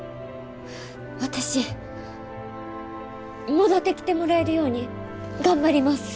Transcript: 私戻ってきてもらえるように頑張ります。